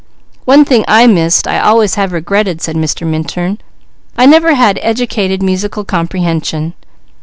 "One thing I missed, I always have regretted," said Mr. Minturn, "I never had educated musical comprehension.